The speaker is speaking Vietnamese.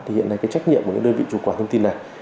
thì hiện nay trách nhiệm của đơn vị chủ quản thông tin này